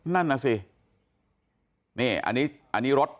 นั่นไงนี่อันนี้รถ